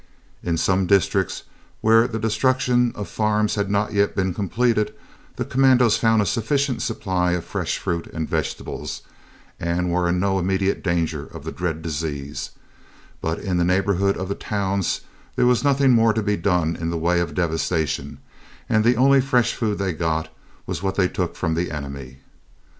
In some districts, where the destruction of farms had not yet been completed, the commando found a sufficient supply of fresh fruit and vegetables and were in no immediate danger of the dread disease, but in the neighbourhood of the towns there was nothing more to be done in the way of devastation, and the only fresh food they got was what they took from the enemy.